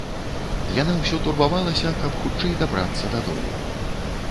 Яна ўсё турбавалася, каб хутчэй дабрацца дадому.